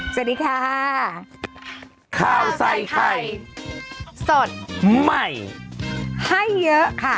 สวัสดีค่ะข้าวใส่ไข่สดใหม่ให้เยอะค่ะ